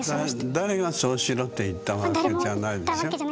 誰がそうしろって言ったわけじゃないんでしょう？